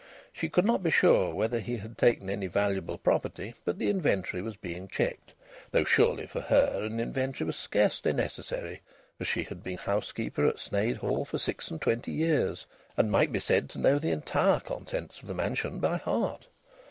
She could not be sure whether he had taken any valuable property, but the inventory was being checked. Though surely for her an inventory was scarcely necessary, as she had been housekeeper at Sneyd Hall for six and twenty years, and might be said to know the entire contents of the mansion by heart!